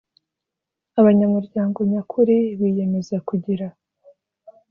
abanyamuryango nyakuri biyemeza kugira